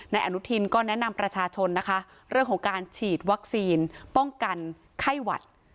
อนุทินก็แนะนำประชาชนนะคะเรื่องของการฉีดวัคซีนป้องกันไข้หวัด